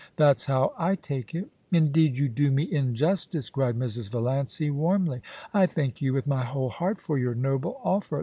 That's how I take it* * Indeed, you do me injustice,' cried Mrs. Valiancy, warmly. * I thank you with my whole heart for your noble offer.